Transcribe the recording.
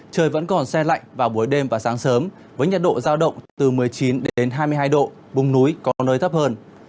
trời vẫn còn xe lạnh vào buổi đêm và sáng sớm với nhiệt độ giao động từ một mươi chín đến hai mươi hai độ vùng núi có nơi thấp hơn